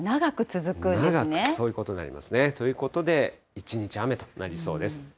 長く、そういうことになりますね。ということで、一日雨となりそうです。